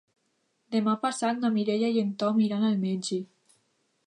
Demà passat na Mireia i en Tom iran al metge.